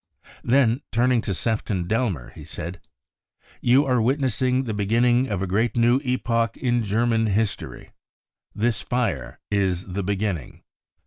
Then turning to Sefton Delmer, he said : c< You are witnessing the beginning of a great new epoch in German history. This fire is the beginning."